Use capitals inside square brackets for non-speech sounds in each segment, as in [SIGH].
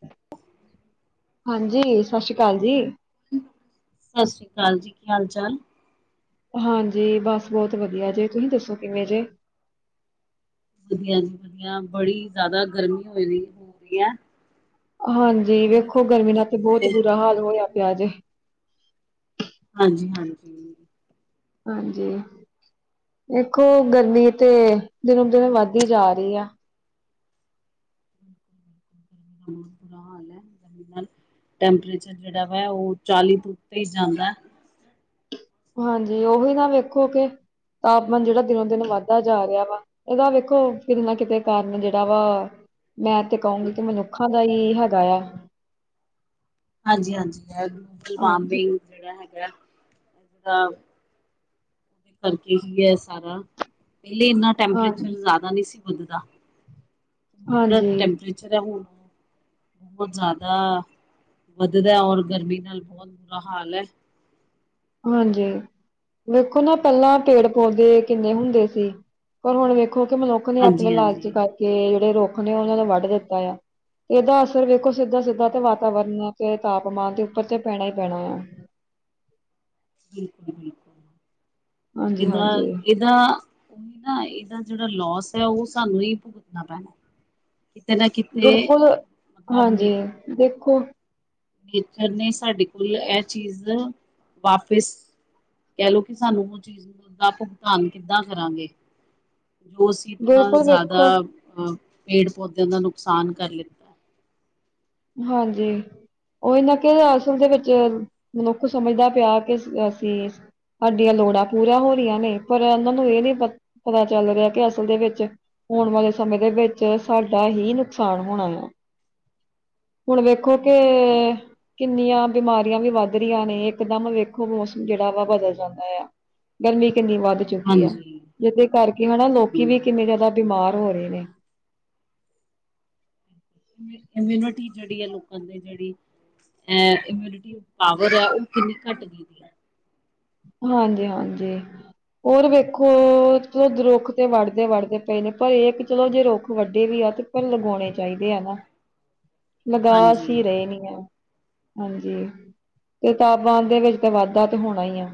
[UNINTELLIGIBLE] ਹਾਂਜੀ, ਸਤਿ ਸ਼੍ਰੀ ਅਕਾਲ ਜੀ। ਸਤਿ ਸ੍ਰੀ ਅਕਾਲ ਜੀ। ਕੀ ਹਾਲ -ਚਾਲ। ਹਾਂਜੀ। ਬੱਸ ਬਹੁਤ ਵਧੀਆ ਜੀ। ਤੁਸੀਂ ਦੱਸੋ ਕਿਵੇਂ ਜੇ? ਵਧੀਆ ਜੀ ਵਧੀਆ। ਬੜੀ ਜਿਆਦਾ ਗਰਮੀ ਹੋ ਹੋ ਰਹੀ ਹੈ। ਹਾਂਜੀ। ਓਦਾਂ ਵੇਖੋ ਕਿੱਦਾਂ ਗਰਮੀ ਨਾਲ ਮੌਸਮ ਤੇ ਬਹੁਤ ਤੁਹਾਡੇ ਬੁਰਾ ਹਾਲ ਹੋਇਆ ਪਿਆ ਜੇ। ਹਾਂਜੀ ਹਾਂਜੀ ਹਾਂਜੀ ਦੇਖੋ ਗਰਮੀਂ ਤੇ ਦਿੱਨੋ ਦਿੱਨ ਵੱਧਦੀ ਜਾ ਰਹੀ ਆ ਬਿਲਕੁੱਲ ਬਿਲਕੁੱਲ ਇਹਨਾਂ ਬੁਰਾ ਹਾਲ ਹੈ ਗਰਮੀ ਟੈਂਪਰੇਚਰ ਜਿਹੜਾ ਵਾ ਉਹ ਚਾਲੀ ਤੋਂ ਉਪਰ ਜਾਂਦਾ ਹੈ। ਹਾਂਜੀ ਉਹੀ ਨਾ ਵੇਖੋ ਕਿ ਤਾਪਮਾਨ ਜਿਹੜਾ ਦਿਨੋ ਦਿਨ ਵੱਧਦਾ ਜਾ ਰਿਹਾ ਵਾ। ਇਹਦਾ ਵੇਖੋ ਕਿਤੇ ਨਾ ਕਿਤੇ ਕਾਰਨ ਜਿਹੜਾ ਵਾ। ਮੈਂ ਤੇ ਕਹੂੰਗੀ ਕਿ ਮਨੁੱਖਾਂ ਦਾ ਹੀ ਇਹ ਹੈਗਾ ਆ। ਹਾਂਜੀ ਹਾਂਜੀ ਹੈ। ਇਹ ਗਲੋਬਲ ਹਾਂਜੀ। ਵਾਰਮਿੰਗ ਜਿਹੜਾ ਹੈਗਾ। ਸਾਰੀਆਂ ਕੰਟਰੀਜ ਵਿੱਚ ਵੀ ਹੈ ਸਾਰਾ ਪਹਿਲੇ ਇੰਨਾ ਹਾਂ, ਟੈਂਪਰੇਚਰ ਜ਼ਿਆਦਾ ਨਹੀਂ ਸੀ। ਧੁੰਦ ਦਾ ਹੁਣ ਜਿਹੜਾ ਹਾਂਜੀ, ਟੈਂਪਰੇਚਰ ਹੈ ਹੁਣ। ਬਹੁਤ ਜ਼ਿਆਦਾ ਵੱਧਦਾ ਔਰ ਗਰਮੀ ਨਾਲ ਬਹੁਤ ਬੁਰਾ ਹਾਲ ਹੈ। ਹਾਂਜੀ। ਵੇਖੋ ਨਾ ਪਹਿਲਾਂ ਪੇੜ- ਪੌਦੇ ਕਿੰਨੇ ਹੁੰਦੇ ਸੀ। ਪਰ ਹੁਣ ਵੇਖੋ ਕਿ ਮੇਂਨੁ ਰੁੱਖ ਨੇ ਆਪਣੇ ਲਾਲਚ ਹਾਂਜੀ-ਹਾਂਜੀ, ਕਰਕੇ ਜਿਹੜੇ ਰੁੱਖ ਨੇ ਉਹਨਾਂ ਨੂੰ ਵੱਢ ਦਿੱਤਾ ਆ। ਤੇ ਇਹਦਾ ਅਸਰ ਵੇਖੋ। ਸਿੱਧਾ- ਸਿੱਧਾ ਤੇ ਵਾਤਾਵਰਨ ਤੇ ਤਾਪਮਾਂਨ ਦੇ ਉੱਪਰ ਤੇ ਪੈਣਾ ਹੀ ਪੈਣਾ ਆ। ਬਿਲਕੁੱਲ- ਬਿਲਕੁੱਲ ਹਾਂਜੀ ਏਦਾਂ ਹਾਂਜੀ ਇਹ ਇਹਦਾ ਉਹੀ ਨਾ ਇਹਦਾ ਜਿਹੜਾ ਲੋਸ ਹੈ ਉਹ ਸਾਨੂੰ ਹੀ ਭੁੱਗਤਣਾ ਪੈਣਾਂ। ਜਿਦਾ ਕਿ ਬਿਲਕੁੱਲ, ਹਾਂਜੀ। ਦੇਖੋ, ਨੇਚਰ ਨੇ ਸਾਡੇ ਕੋਲ ਇਹ ਚੀਜ਼ ਵਾਪਿਸ ਕਹਿ ਲਓ ਕਿ ਸਾਨੂੰ ਉਹ ਚੀਜ਼ ਦਾ ਭੁਗਤਾਨ ਕਿੱਦਾਂ ਕਰਾਂਗੇ। ਜੋ ਅਸੀਂ ਇਤਨਾ ਬਿਲਕੁਲ ਜ਼ਿਆਦਾ ਵੇਖੋ ਪੇੜ- ਪੌਦਿਆਂ ਦਾ ਨੁਕਸਾਨ ਕਰ ਲਿਤਾ। ਹਾਂਜੀ। ਉਹ ਇਹਨਾਂ ਕਿ ਅਸਲ ਦੇ ਵਿੱਚ ਮਨੁੱਖ ਸਮਝੱਦਾ ਪਿਆ। ਕਿ ਅਸੀਂ ਸਾਡੀਆਂ ਲੋੜਾਂ ਪੂਰੀਆਂ ਹੋ ਰਹੀਆਂ ਨੇ। ਪਰ ਉਹਨਾਂ ਨੂੰ ਇਹ ਨੀ ਪਤਾ ਚੱਲ ਰਿਹਾ ਕਿ ਅਸਲ ਦੇ ਵਿੱਚ ਆਉਣ ਵਾਲੇ ਸਮੇਂ ਦੇ ਵਿੱਚ ਸਾਡਾ ਹੀ ਨੁਕਸਾਨ ਹੋਣਾ ਆ। ਹੁਣ ਵੇਖੋ ਕੇ ਬਿਲਕੁਲ-ਬਿਲਕੁਲ, ਕਿੰਨੀਆਂ ਬਿਮਾਰੀਆਂ ਵੀ ਵੱਧ ਰਹੀਆਂ ਨੇ ਇਕਦਮ ਵੇਖੋ ਮੌਸਮ ਜਿਹੜਾ ਵਾ ਬਦਲ ਜਾਂਦਾ ਆ। ਗਰਮੀ ਕਿੰਨੀ ਵੱਧ ਚੁੱਕੀ ਆ। ਹਾਂਜੀ। ਜਿਹਦੇ ਕਰਕੇ ਹਨਾ ਲੋਕੀ ਵੀ ਹੂੰ, ਕਿੰਨੇ ਜ਼ਿਆਦਾ ਬਿਮਾਰ ਹੋ ਰਹੇ ਨੇ। ਇਮਿਊਨਿਟੀ ਜਿਹੜੀ ਆ ਲੋਕਾਂ ਦੇ ਜਿਹੜੀ ਇਮਿਊਨਿਟੀ ਪਾਵਰ ਹੈ। ਉਹ ਕਿੰਨੀ ਘੱਟ ਗਈ ਹੈ। ਹਾਂਜੀ- ਹਾਂਜੀ। ਹੋਰ ਵੇਖੋ, ਚਲੋ ਰੁੱਖ ਤੇ ਵੜਦੇ- ਵੜਦੇ ਪਏ ਨੇ ਪਰ ਇਹ ਇੱਕ ਚਲੋ ਜੇ ਰੁੱਖ ਵੱਡੇ ਵੀ ਆ। ਤੇ ਪਰ ਲਗਾਉਣੇ ਚਾਹੀਦੇ ਆ ਨਾ। ਲਗਾ ਹਾਂਜੀ ਅਸੀਂ ਰਹੇ ਨਹੀਂ ਆ। ਹਾਂਜੀ। ਤੇ ਤਾਪਮਾਂਨ ਦੇ ਵਿੱਚ ਤਾਂ ਵਾਧਾ ਤਾਂ ਹੋਣਾ ਹੀ ਆ।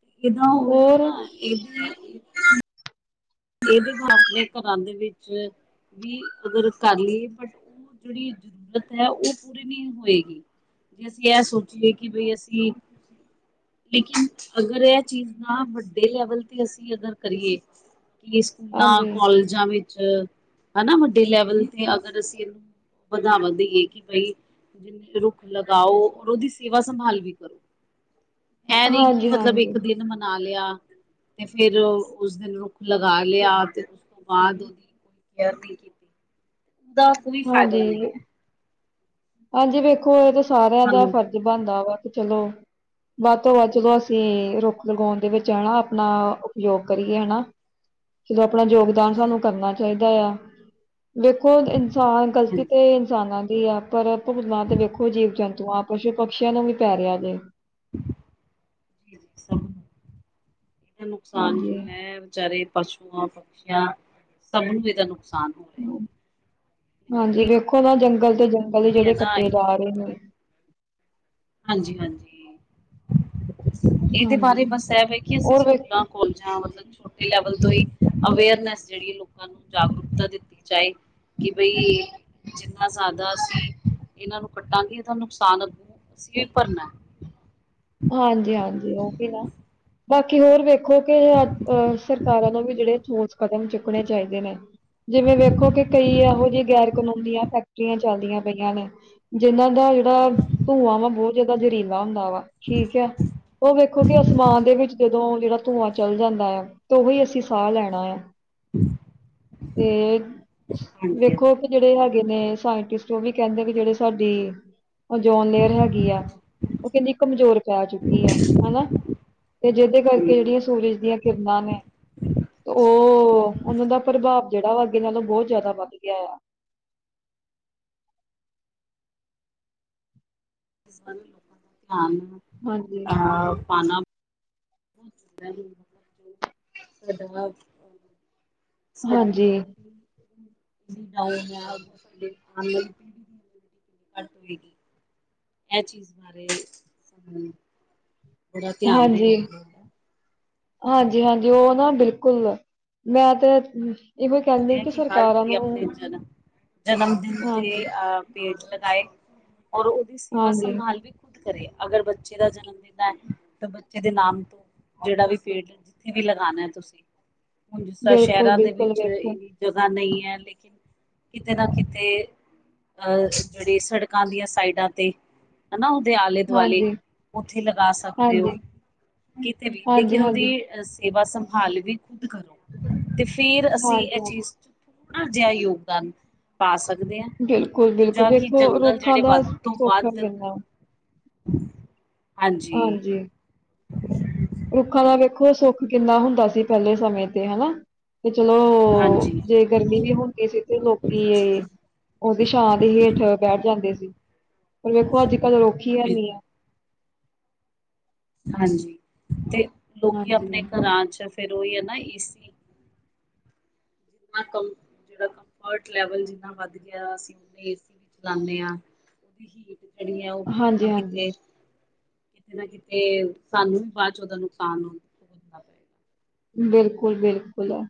ਤੇ ਇਹਦਾ ਉਹੀ ਹੋਰ ਨਾ ਇਹਦੇ ਇਹਦੇ ਹ ਆਪਣੇ ਘਰਾਂ ਦੇ ਵਿੱਚ ਵੀ ਅਗਰ ਕਰ ਲਈਏ। ਬਟ ਜਿਹੜੀ ਜ਼ਰੂਰਤ ਹੈ ਉਹ ਪੂਰੀ ਨਹੀਂ ਹੋਏਗੀ। ਜੇ ਅਸੀਂ ਇਹ ਸੋਚੀਏ ਕਿ ਬਈ ਅਸੀਂ ਲੇਕਿਨ ਅਗਰ ਇਹ ਚੀਜ਼ ਨਾ ਵੱਡੇ ਲੈਵਲ ਤੇ ਅਸੀਂ ਅਗੱਰ ਕਰੀਏ। ਕਿ ਸਕੂਲਾਂ, ਹਾਂਜੀ, ਕਾਲਜਾਂ ਵਿੱਚ ਹਨਾ। ਵੱਡੇ ਲੈਵਲ ਤੇ ਅੱਗਰ ਅਸੀਂ ਇਹਨੂੰ ਵਧਾਵਾ ਦੇਈਏ। ਕਿ ਬਈ ਜਿੰਨੇ ਰੁੱਖ ਲਗਾਓ ਉਹਦੀ ਸੇਵਾ ਸੰਭਾਲ ਵੀ ਕਰੋ ਏ ਨੀ ਕਿ ਹਾਂਜੀ-ਹਾਂਜੀ, ਮਤਲਬ ਇੱਕ ਹਾਂਜੀ। ਦਿਨ ਮਨਾ ਲਿਆ ਤੇ ਫੇਿਰ ਉਸ ਦਿਨ ਰੁ ਲਗਾ ਲਿਆ ਉਸ ਬਾਅਦ ਉਹਦੀ ਕੋਈ ਕੇਅਰ ਨਹੀਂ ਉਹਦਾ ਕੋਈ ਫਾਇਦਾ ਹਾਂਜੀ ਨਹੀਂ ਵੇ- ਹੈ ਹਾਂਜੀ ਵੇਖੋ ਇਹ ਤਾਂ ਸਾਰਿਆਂ ਦਾ ਸਾਨੂੰ ਫਰਜ਼ ਬਣਦਾ ਵਾ ਕਿ ਚਲੋ ਵੱਧ ਤੋਂ ਵੱਧ ਜਦੋਂ ਅਸੀਂ ਰੁੱਖ ਲਗਾਉਣ ਦੇ ਵਿੱਚ ਹੈ ਨਾ ਆਪਣਾ ਉਪਯੋਗ ਕਰੀਏ ਹਨਾ। ਜਦੋਂ ਆਪਣਾ ਯੋਗਦਾਨ ਸਾਨੂੰ ਕਰਨਾ ਚਾਹੀਦਾ ਆ। ਦੇੇਖੋ ਇਨਸਾਨ ਗ਼ਲਤੀ ਹਾਂਜੀ ਤੇ ਇਨਸਾਨਾਂ ਦੀ ਆ ਪਰ ਭੁਗਤਨਾ ਤੇ ਵੇਖੋ ਜੀਵ- ਜੰਤੂ ਆ ਪਸ਼ੂ- ਪਕਸ਼ੀਆਂ ਨੂੰ ਵੀ ਪੈ ਰਿਹਾ ਜੇ। ਜੀ, ਜੀ ਸੱਭ ਇਹਦਾ ਨੁਕਸਾਨ ਹਾਂਜੀ। ਜੋ ਹੈ ਵਿਚਾਰੇ ਪਸੂਆਂ- ਪਛੀਂਆਂ ਸਭ ਨੂੰ ਇਹਦਾ ਨੁਕਸਾਨ ਹੋਇਆ। ਹਾਂਜੀ। ਵੇਖੋ ਨਾ ਜੰਗਲ ਤੇ ਜੰਗਲ ਹੈ ਜਿਹੜੇ ਨਾ ਕੱਟੇ ਜਾ ਰਹੇ ਨੇ। ਹਾਂਜੀ- ਹਾਂਜੀ ਇਹਦੇ ਹਾਂਜੀ ਬਾਰੇ ਬਸ ਇਹ ਕਿ ਅਸੀਂ ਹੋਰ ਵੇਖੋ ਸਕੂਲਾਂ ਕੋਲ ਮਤਲਬ ਛੋਟੇ ਲੈਵਲ ਤੋਂ ਹੀ ਅਵੇਅਰਨੈਸ ਜਿਹੜੀ ਲੋਕਾਂ ਨੂੰ ਜਾਗਰੂਕਤਾ ਦਿੱਤੀ ਜਾਏ। ਕਿ ਬਈ ਜਿੰਨਾ ਜ਼ਿਆਦਾ ਅਸੀਂ ਇਹਨਾਂ ਨੂੰ ਕੱਟਾਂਗੇ। ਇਹਦਾ ਨੁਕਸਾਨ ਭਰਨਾ ਹਾਂਜੀ -ਹਾਂਜੀ ਉਹ ਵੀ ਨਾ ਬਾਕੀ ਹੋਰ ਵੇਖੋ ਕਿ ਅ ਅਹ ਸਰਕਾਰਾਂ ਨੂੰ ਵੀ ਜਿਹੜੇ ਸੋਚ ਕਦਮ ਚੁੱਕਣੇ ਚਾਹੀਦੇ ਨੇ ਜਿਵੇਂ ਵੇਖੋ ਕਿ ਕਈ ਇਹੋ ਜਿਹੇ ਗੈਰ ਕਾਨੂੰਨ ਦੀਆਂ ਫੈਕਟਰੀਆਂ ਚੱਲਦੀਆਂ ਪਈਆਂ ਨੇ ਜਿੰਹਨਾਂ ਦਾ ਜਿਹੜਾ ਧੂੰਆਂ ਵਾ ਬਹੁਤ ਜਿਆਦਾ ਜ਼ਹਿਰੀਲਾ ਹੁੰਦਾ ਵਾ ਠੀਕ ਹੈ ਉਹ ਵੇਖੋ ਕਿ ਅਸਮਾਨ ਦੇ ਵਿੱਚ ਜਦੋਂ ਜਿਹੜਾ ਧੂੰਆਂ ਚੱਲ ਜਾਂਦਾ ਹੈ ਤੇ ਉਹੀ ਅਸੀਂ ਸਾਹ ਲੈਣਾ ਆ [INAUDIBLE] ਤੇ ਹਾਂਜੀ ਵੇਖੋ ਹਾਂਜੀ ਜਿਹੜੇ ਹੈਗੇ ਨੇ ਸਾਇੰਟਿਸਟ ਉਹ ਵੀ ਕਹਿੰਦੇ ਵੀ ਜਿਹੜੇ ਸਾਡੀ ਉਹ ਜੋਨ ਲੇਅਰ ਹੈਗੀ ਆ ਉਹ ਕਹਿੰਦੀ ਕਮਜ਼ੋਰ ਪੈ ਚੁੱਕੀ ਆ ਹੈਨਾ ਤੇ ਜਿਹਦੇ ਕਰਕੇ ਜਿਹੜੀਆਂ ਸੂਰਜ ਦੀਆਂ ਕਿਰਨਾਂ ਨੇ ਉਹ ਉਹਨਾਂ ਦਾ ਪ੍ਰਭਾਵ ਜਿਹੜਾ ਵਾ ਅੱਗੇ ਨਾਲੋਂ ਬਹੁਤ ਜ਼ਿਆਦਾ ਵੱਧ ਗਿਆ ਆ ਇਸ ਬਾਰੇ ਲੋਕਾਂ ਦਾ ਧਿਆਨ ਹਾਂਜੀ ਅ ਪਾਣਾ [INAUDIBLE] ਸਾਡ ਹਾਂਜੀ [INAUDIBLE] ਇਹ ਚੀਜ਼ ਬਾਰੇ ਬੜਾ ਧਿਆਨ ਦੇਣ ਹਾਂਜੀ ਦੀ ਲੋੜ ਹੈ ਹਾਂਜੀ -ਹਾਂਜੀ ਉਹ ਨਾ ਬਿਲਕੁਲ ਮੈਂ ਤੇ ਇਹੋ ਕਹਿੰਦੇ ਆ ਕਿ ਹਰ ਸਰਕਾਰਾਂ ਕੋਈ ਨੂੰ ਆਪਣੇ ਜਨਮ ਜਨਮ ਦਿਨ ਹਾਂਜੀ ਤੇ ਅਹ ਪੇੜ ਲਗਾਏ ਔਰ ਉਹਦੀ ਸੇਵਾ ਹਾਂਜੀ ਸੰਭਾਲ ਵੀ ਖੁਦ ਕਰੇ ਅਗਰ ਬੱਚੇ ਦਾ ਜਨਮ ਦਿਨ ਹੈ ਤਾਂ ਬੱਚੇ ਦੇ ਨਾਮ ਤੋਂ ਜਿਹੜਾ ਵੀ ਪੇਡ ਜਿੱਥੇ ਵੀ ਲਗਾਉਣਾ ਤੁਸੀਂ ਹੁਣ ਜਿਸ ਤਰ੍ਹਾਂ ਸ਼ਹਿਰਾਂ ਦੇ ਵਿੱਚ ਹੁ ਇੰਨੀ ਜਗ੍ਹਾ ਨਹੀਂ ਹੈ ਲੇਕਿਨ ਕਿਤੇ ਨਾ ਕਿਤੇ ਅਹ ਜਿਹੜੇ ਸੜਕਾਂ ਦੀਆਂ ਸਾਈਡਾਂ ਤੇ ਹਨਾ ਉਹਦੇ ਆਲੇ ਦੁਆਲੇ ਹਾਂਜੀ ਉੱਥੇ ਲਗਾ ਸਕਦੇ ਹੋ ਹਾਂਜੀ ਕਿਤੇ ਵੀ ਹਾਂਜੀ ਲੇਕਿਨ ਹਾਂਜੀ ਉਹਦੀ ਸੇਵਾ ਸੰਭਾਲ ਵੀ ਖੁਦ ਕਰੋ ਤੇ ਫੇਰ ਅਸੀਂ ਇਹ ਹਾਂਜੀ ਚੀਜ਼ ਇਹੋ ਜਿਹਾ ਯੋਗਦਾਨ। ਪਾ ਸਕਦੇ ਹ ਔਰ ਬਿਲਕੁਲ ਬਿਲਕੁਲ ਦੂਜਾ ਕਿ ਵੇਖੋ ਜੰਗਲ ਰੁੱਖਾਂ ਜਿਹੜੇ ਦਾ ਵੱਧ ਤੋਂ ਸੌਖਾ ਵੱਧ ਕਿੰਨਾ ਹਮ। ਹਾਂਜੀ। ਰੁੱਖਾਂ ਦਾ ਵੇਖੋ ਸੁੱਖ ਕਿੰਨਾ ਹੁੰਦਾ ਸੀ ਪਹਿਲੇ ਸਮੇਂ ਤੇ ਹਨਾ। ਤੇ ਚਲੋ ਹਾਂਜੀ ਜੇ ਗਰਮੀ ਵੀ ਹੁੰਦੀ ਸੀ ਤੇ ਲੋਕੀ ਉਹਦੀ ਛਾਂ ਦੇ ਹੇਠ ਬੈਠ ਜਾਂਦੇ ਸੀ, ਪਰ ਵੇਖੋ ਅੱਜ ਕੱਲ ਰੁੱਖ ਹੈਨੀ ਆ। ਬਿਲਕੁਲ ਹਾਂਜੀ ਤੇ ਲੋਕੀ ਹਾਂਜੀ, ਆਪਣੇ ਘਰਾਂ ਚ ਫੇਿਰ ਉਹ ਹੈ ਨਾ ਏਸੀ। ਜਿਹੜਾ ਕੰਫਰਟ ਲੈਵਲ ਜਿੰਨਾ ਵੱਧ ਗਿਆ ਅਸੀਂ ਨੇ ਏ ਸੀ ਵੀ ਚਲਾਦੇ ਆਂ। ਉਹਦੀ ਹੀਟ ਜਿਹੜੀ ਹੈ ਉਹ ਕਿਤੇ ਨਾ ਹਾਂਜੀ, ਹਾਂਜੀ। ਕਿਤੇ ਕਿ ਨਾ ਕਿਤੇ ਸਾਨੂੰ ਬਾਅਦ ਚ ਨੁਕਸਾਨ ਹੋ। ਬਿਲਕੁਲ -ਬਿਲਕੁਲ ਹੈ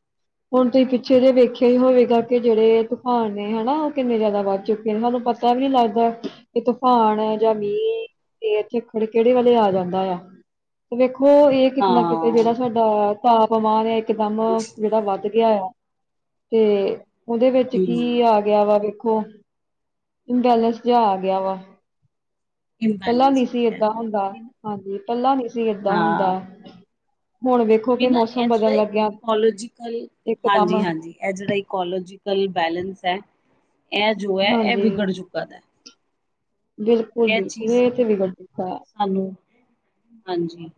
ਹੁਣ ਤੁਸੀਂ ਪਿੱਛੇ ਜੇਹੇ ਵਖਿਆ ਹੀ ਹੋਵੇਗਾ ਕਿ ਜਿਹੜੇ ਤੂਫਾਨ ਨੇ ਹਨਾ ਉਹ ਕਿੰਨੇ ਜ਼ਿਆਦਾ ਵੱਧ ਚੁੱਕੇ ਨੇ ਸਾਨੂੰ ਪਤਾ ਪਤਾ ਵੀ ਨੀ ਲੱਗਦਾ ਕਿ ਤੂਫਾਨ ਹੈ ਜਾਂ ਮੀਂਹ ਇਹ ਇਥੇ ਖੜ ਕਿਹੜੇ ਵੇਲੇ ਆ ਜਾਂਦਾ ਆ ਤੇ ਵੇਖੋ ਇਹ ਕਿਤੇ ਨਾ ਕਿਤੇ ਹਾਂ ਜਿਹੜਾ ਸਾਡਾ ਤਾਪਮਾਨ ਹੈ ਇਕਦਮ ਜਿਹੜਾ ਵੱਧ ਆ ਤੇ ਉਹਦੇ ਵਿੱਚ ਹੂੰ ਕੀ ਆ ਗਿਆ ਵਾ ਵੇਖੋ ਬੈਲੈਂਸ ਜਿਹਾ ਆ ਗਿਆ ਵਾ। ਪਹਿਲਾ ਨਹੀਂੀ ਇੰਬੈਲੈਂਸ ਹੋ ਸੀ ਗਿਆ। ਏਦਾਂ ਹੁੰਦਾ ਉਹੀ ਨਾ, ਹਾਂਜੀ ਪੱਲਾ ਨਹੀਂੀ ਸੀ ਏਦਾਂ ਹੁੰਦਾ। ਹੁਣ ਵੇਖੋ ਕਿ ਇਹਨਾ ਮੌਸਮ ਬਦਲਣ ਲੱਗਿਆ ਇਕੋਲੋਜੀਕਲ ਇਕਦਮ ਹਾਂਜੀ ਹਾਂਜੀ ਇਕੋਲੋਜੀ। ਇਹ ਬੈਲਂਸ ਹੈ ਇਹ ਜੋ ਹੈ ਇਹ ਹਾਂਜੀ। ਵਿਗੜ ਚੁੱਕਾ ਦਾ। ਬਿਲਕੁਲ ਜੀ ਚੀਜ਼ ਇਹ ਤੇ ਨੂੰ ਵਿਗੜ ਚੁੱਕਾ ਹੈ। ਸਾਨੂੰ ਹਾਂਜੀ।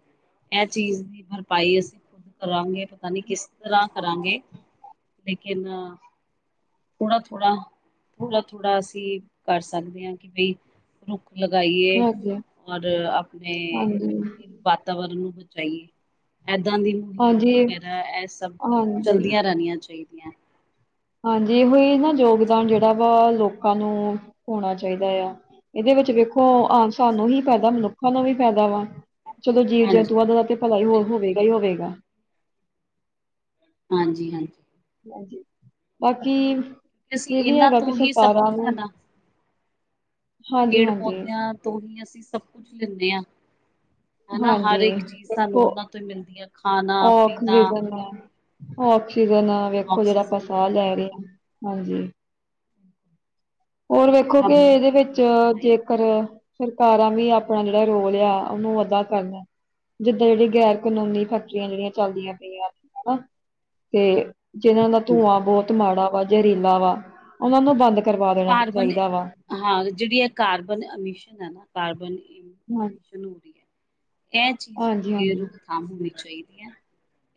ਇਹ ਚੀਜ਼ ਦੀ ਭਰਪਾਈ ਅਸੀਂ ਖੁਦ ਕਰਾਂਗੇ ਪਤਾ ਨਹੀ ਕਿਸ ਤਰ੍ਹਾਂ ਕਰਾਂਗੇ। ਲੇਕਿਨ ਥੋੜ੍ਹਾ -ਥੋੜ੍ਹਾ ਥੋੜ੍ਹਾ -ਥੋੜ੍ਹਾ ਅਸੀਂ ਕਰ ਸਕਦੇ ਹਾਂ ਕਿ ਬਈ ਰੁੱਖ ਲਗਾਈਏ ਹਾਂਜੀ, ਔਰ ਆਪਣੇ ਹਾਂਜੀ, ਬਾਤ ਵਾਤਾਵਰਨ ਨੂੰ ਬਚਾਈਏ ਇੱਦਾਂ ਦੀ ਮੁਹਿੰਮ ਹਾਂਜੀ, ਵਗੈਰਾ ਇਹ ਸਭ ਹਾਂਜੀ, ਚਲਦੀਆਂ ਰਹਿਣੀਆਂ ਚਾਹੀਦੀਆਂ। ਹਾਂਜੀ ਉਹੀ ਨਾ ਯੋਗਦਾਨ ਜਿਹੜਾ ਵਾ ਲੋਕਾਂ ਨੂੰ ਹੋਣਾ ਚਾਹੀਦਾ ਆ। ਇਹਦੇ ਵਿੱਚ ਵੇਖੋ ਆ ਸਾਨੂੰ ਹੀ ਫਾਇਦਾ ਮਨੁੱਖਾਂ ਨੂੰ ਵੀ ਫਾਇਦਾ ਵਾ। ਚਲੋ ਜੀਵ ਹਾਂਜੀ, ਜਤੂੰਆ ਦਾ ਤੇ ਭਲਾ ਹੀ ਹੋ ਬਿਲਕੁਲ ਹੋਵੇਗਾ ਹੀ ਹੋਵੇਗਾ। ਹਾਂਜੀ -ਹਾਂਜੀ। ਹਾਂਜੀ, ਬਾਕੀ ਅਸੀਂ ਇਹ ਵੀ ਇਹਨਾਂ ਹੈਗਾ ਕਿ ਤੋਂ ਹੀ ਸਭ ਸਰਕਾਰਾਂ ਕੁਛ ਨੂੰ ਲੈਣਾ। ਪੇੜ ਹਾਂਜੀ-ਹਾਂਜੀ, ਹਾਂਜੀ ਪੌਦਿਆਂ ਤੋਂ ਹੀ ਅਸੀਂ ਸਭ ਕੁਝ ਲੈਂਦੇ ਹਾਂ। ਹਨਾ ਹਰ ਹਾਂਜੀ ਇੱਕ ਚੀਜ਼ ਸਾਨੂੰ ਉਹਨਾਂ ਤੋਂ ਹੀ ਮਿਲਦੀਆਂ। ਅਖਰੀਕ। ਆਕਸੀਜਨ ਵੇਖੋ ਜਿਹੜਾ ਆਪਾਂ ਆਕਸੀਜਨ ਸਾਹ ਲੈ ਰਹੇ ਹਾਂ ਹਾਂਜੀ। ਹਕ। ਹੋਰ ਵੇਖੋ ਕਿ ਇਹਦੇ ਵਿੱਚ ਬਣਾਈ ਹੈ ਜੇਕਰ ਸਰਕਾਰਾਂ ਵੀ ਆਪਣਾ ਜਿਹੜਾ ਰੋਲ ਆ ਉਹਨੂੰ ਅਦਾ ਕਰਨਾ। ਜਿੱਦਾਂ ਜਿਹੜੀ ਗੈਰ ਕਾਨੂੰਨੀ ਫੈਕਟਰੀਆਂ ਜਿਹੜੀਆਂ ਚੱਲਦੀਆਂ ਪਈਆਂ ਹਨਾ ਤੇ ਜਿਹਨਾਂ ਦਾ ਹਾਂਜੀ ਧੂੰਆਂ ਬਹੁਤ ਮਾੜਾ ਵਾ ਜ਼ਹਿਰੀਲਾ ਵਾ ਉਹਨਾਂ ਨੂੰ ਬੰਦ ਕਰਵਾ ਦੇ। ਕਾਰਬਨ ਹਾਂ ਜਿਹੜੀ ਹੈ ਕਾਰਬਨ ਅਮਿਸ਼ਨ ਹੈ ਨਾ ਕਾਰਬਨ ਹਮ। ਰੀ ਇਹ ਚੀਜ਼ ਦੀ ਹਾਂਜੀ ਰੋਕਥਾਮ ਹੋਣੀ ਚਾਹੀਦੀ ਹੈ।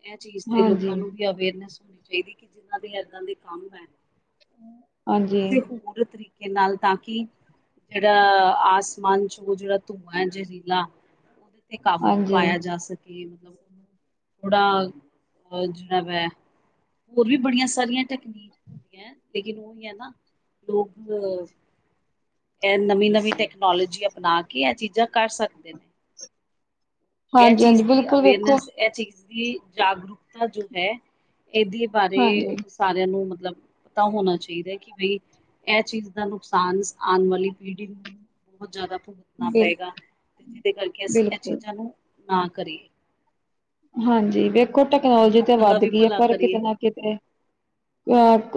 ਇਹ ਚੀਜ਼ ਤੇ ਹਾਂਜੀ ਲੋਕਾਂ ਨੂੰ ਵੀ ਅਵੇਅਰਨੈਸ ਹੋਣੀ। ਚਾਹੀਦੀ ਕਿ ਜਿਨਾਂ ਦੇ ਇਏਦਾਂ ਦੇ ਕਾਨੂੰਨ ਹੈ ਨੇ। ਹਾਂਜੀ ਹੋਰ ਤਰੀਕੇ ਨਾਲ ਤਾਂ ਕਿ ਜਿਹੜਾ, ਆਸਮਾਨ ਚ ਉਹ ਜਿਹੜਾ ਧੂੰਆਂ ਹੈ ਜ਼ਹਿਰੀਲਾ। ਉਹਦੇ ਤੇ ਕਾਬੂ ਹਾਂਜੀ ਪਾਇਆ ਜਾ ਸਕੇ। ਮਤਲਬ ਉਹ ੜਾ- ਜਿਹੜਾ ਵੈ ਹੋਰ ਵੀ ਬੜੀਆਂ ਸਾਰੀਆਂ ਟੈਕਨੀਕਾਂ ਲੇਕਿਨ ਉਹੀ ਹੈ ਨਾ। ਧੁੱਪ ਇਹ ਨਵੀਂ- ਨਵੀਂ ਟੈਕਨੋਲੋਜੀ ਅਪਣਾ ਕੇ ਇਹ ਚੀਜ਼ਾਂ ਕਰ ਸਕਦੇ ਨੇ। ਇਹ ਹਾਂਜੀ ਹਾਂਜੀ ਚੀਜ਼ ਦੀ ਬਿਲਕੁਲ ਵੇਖੋ ਅਵੇਅਰਨੈਸ ਇਹ ਚੀਜ਼ ਦੀ ਜਾਗਰੂਕਤਾ ਜੋ ਹੈ। ਇਹਦੇ ਬਾਰੇ ਹਾਂਜੀ ਸਾਰਿਆਂ ਨੂੰ ਮਤਲਬ ਪਤਾ ਹੋਣਾ ਚਾਹੀਦਾ। ਕਿ ਬਈ ਇਹ ਚੀਜ਼ ਦਾ ਨੁਕਸਾਨ ਆਉਣ ਵਾਲੀ ਪੀੜ੍ਹੀ ਨੂੰ ਬਹੁਤ ਜ਼ਿਆਦਾ ਭੁਗਤ ਨਾ ਬਿਲ ਪਏਗਾ। ਤੇ ਜਿਹਦੇ ਕਰਕੇ ਅਸੀਂ ਇਹ ਬਿਲਕੁਲ ਚੀਜ਼ਾਂ ਨੂੰ ਨਾ ਕਰੀਏ। ਹਾਂਜੀ ਵੇਖੋ ਟੈਕਨੋਲੋਜੀ ਤਾਂ ਲੋਕਾਂ ਦਾ ਵੱਧ ਵੀ ਗਈ ਹੈ ਭਲਾ ਪਰ ਕਰੀਏ ਕਿਤੇ ਨਾ ਕਿਤੇ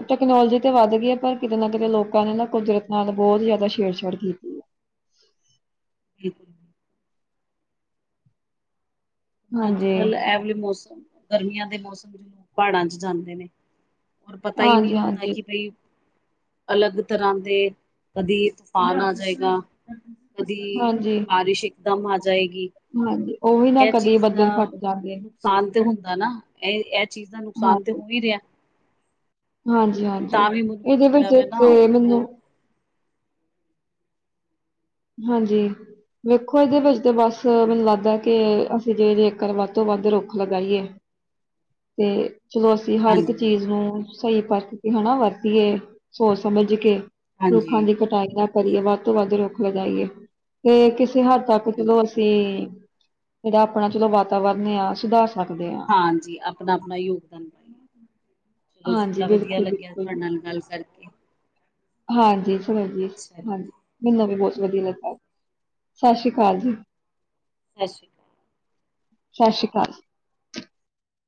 ਟੈਕਨੋਲੋਜੀ ਤਾਂ ਵੱਧ ਗਈ ਹੈ ਪਰ ਕਿਤੇ ਨਾ ਕਿਤੇ ਲੋਕਾਂ ਨੇ ਨਾ ਕੁਦਰਤ ਨਾਲ ਬਹੁਤ ਜ਼ਿਆਦਾ ਛੇੜਛਾੜ ਕੀਤੀ। ਹੈ। ਬਿਲਕੁਲ। ਅੱਜ ਹਾਂਜੀ। ਕੱਲ੍ਹ ਇਹ ਵਾਲੇ ਮੌਸਮ ਗਰਮੀਆਂ ਦੇ ਮੌਸਮ ਵਿੱਚ ਲੋਕ ਪਹਾੜਾਂ ਚ ਜਾਂਦੇ ਨੇ। ਪਤਾ ਹੀ ਹਾਂਜੀ, ਨਹੀਂ ਹੁੰਦਾ ਹਾਂਜੀ, ਕਿ ਭਾਈ ਅਲੱਗ ਤਰ੍ਹਾਂ ਦੇ, ਕਦੀ ਤੂਫਾਨ ਆ ਜਾਏਗਾ। ਕਦੀ, ਹਾਂਜੀ, ਬਾਰਿਸ਼ ਇਕਦਮ ਆ ਜਾਏਗੀ। ਹਾਂਜੀ। ਉਹ ਵੀ ਨਾ ਇਹ ਕਦੇ ਚੀਜ਼ ਦਾ ਬੱਦਲ ਫੱਟ ਜਾਂਦੇ। ਨੁਕਸਾਨ ਤੇ ਹੁੰਦਾ ਨਾ। ਇਹ ਇਹ ਚੀਜ਼ ਦਾ ਨੁਕਸਾਨ ਤੇ ਹਾਂਜੀ, ਹੋ ਹੀ ਰਿਹਾ। ਹਾਂਜੀ, ਪਰ ਹਾਂਜੀ ਤਾਂ ਵੀ ਮੁਨਕ ਇਹਦੇ ਜਿਹੜਾ ਵਿੱਚ ਵਾ ਨਾ ਤੇ ਮੈਨੂੰ ਉਹ ਹਾਂਜੀ। ਵੇਖੋ ਇਹਦੇ ਵਿੱਚ ਤੇ ਬਸ, ਮੈਨੂੰ ਲੱਗਦਾ ਕਿ ਅਸੀਂ ਜੇ ਜੇਕਰ ਵੱਧ ਤੋਂ ਵੱਧ ਰੁੱਖ ਲਗਾਈਏ। [INAUDIBLE] ਤੇ ਚਲੋ, ਅਸੀਂ ਹਰ ਇੱਕ ਹਾਂਜੀ ਹਾਂਜੀ ਚੀਜ਼ ਨੂੰ ਸਹੀ ਪਰਖ ਕੇ ਹਨਾ ਵਰਤੀਏ। ਸੋਚ- ਸਮਝ ਕੇ ਰੁੱਖਾਂ ਹਾਂਜੀ ਦੀ ਕਟਾਈ ਨਾ ਕਰੀਏ ਵੱਧ ਤੋਂ ਵੱਧ ਰੁੱਖ ਲਗਾਈਏ। ਤੇ ਕਿਸੇ ਹੱਦ ਤੱਕ ਚਲੋ ਹਾਂਜੀ ਅਸੀਂ, ਜਿੜਾ ਆਪਣਾ ਚਲੋ ਵਾਤਾਵਰਨ ਆ ਸੁਧਾਰ ਸਕਦੇ ਹਾਂ ਹਾਂਜੀ। ਆਪਣਾ- ਆਪਣਾ ਯੋਗਦਾਨ ਪਾਈਏ। ਚਲੋ ਜੀ ਹਾਂਜੀ ਬੜਾ ਵਧੀਆ ਬਿਲਕੁਲ ਲੱਗਿਆ। ਬਿਲਕੁਲ ਤੁਹਾਡੇ ਜੀ। ਨਾਲ ਗੱਲ ਕਰਕੇ। ਹਾਂਜੀ। ਸੁਣਾੋ ਜੀ, ਛਾ। ਮੈਨੂੰ ਵੀ ਬਹੁਤ ਵਧੀਆ ਲਗਾ। ਸਤਿ ਸ੍ਰੀ ਅਕਾਲ ਜੀ। ਸਤਿ੍ਰੀ [UNINTELLIGIBLE] ਸਤਿ ਸ਼੍ਰੀ ਅਕਾਲ।